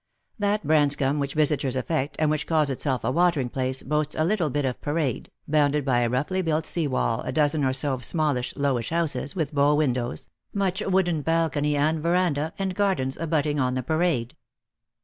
That Branscomb which visitors affect, and which calls itself a watering place, boasts a little bit of Parade, bounded by a roughly built sea wall, a dozen or so of smallish, lowish houses, with bow windows, much wooden balcony and verandah, and gardens abutting on the Parade.